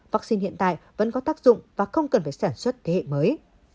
vaccine hiện tại vẫn có tác dụng và không cần phải sản xuất thế hệ mới